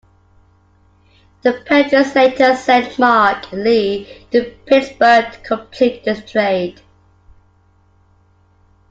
The Padres later sent Mark Lee to Pittsburgh to complete the trade.